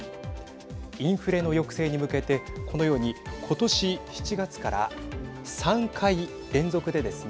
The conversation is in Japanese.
インフレの抑制に向けてこのように今年７月から３回連続でですね